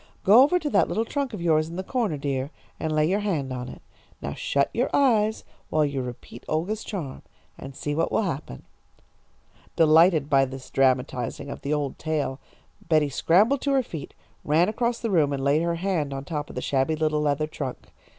Go over to that little trunk of yours in the corner, dear, and lay your hand on it. Now shut your eyes while you repeat Olga's charm, and see what will happen." Delighted by this dramatising of the old tale, Betty scrambled to her feet, ran across the room, and laid her hand on top of the shabby little leather trunk.